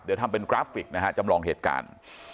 เดี๋ยวทำเป็นกราฟิกนะฮะจำลองเหตุการณ์